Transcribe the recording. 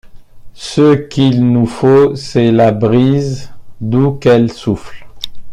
Ce qu’il nous faut, c’est la brise, d’où qu’elle souffle...